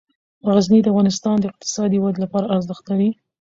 غزني د افغانستان د اقتصادي ودې لپاره ارزښت لري.